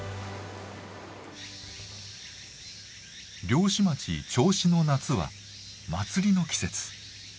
漁師町・銚子の夏は祭りの季節。